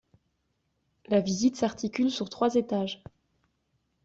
La visite s’articule sur trois étages.